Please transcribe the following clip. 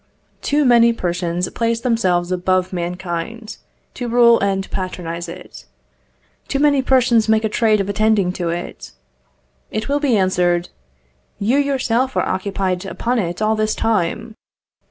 Too many persons place themselves above mankind, to rule and patronize it; too many persons make a trade of attending to it. It will be answered: "You yourself are occupied upon it all this time."